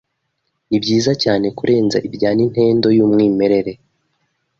Nibyiza cyane kurenza ibya Nintendo yumwimerere.